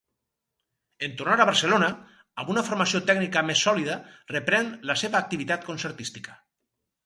En tornar a Barcelona, amb una formació tècnica més sòlida, reprèn la seva activitat concertística.